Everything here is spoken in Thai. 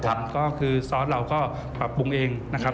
ซอสเราก็ปรับปรุงเองนะครับ